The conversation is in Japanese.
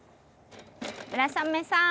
村雨さん。